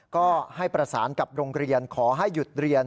ก็ให้ประสานกับโรงเรียนขอให้หยุดเรียน